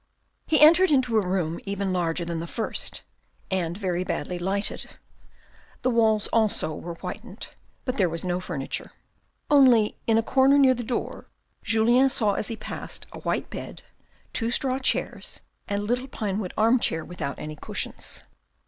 He entered into a room even larger than the first, and very badly lighted. The walls also were whitened, but there was no furniture. Only in a corner near the door Julien saw as he passed a white wooden bed, two straw chairs, and a little pinewood armchair without any cushions.